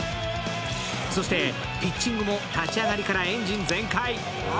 そしてピッチングも立ち上がりからエンジン全開。